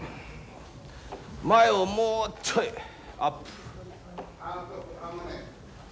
前をもうちょいアップ。